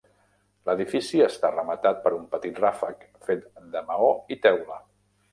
L'edifici està rematat per un petit ràfec fet de maó i teula.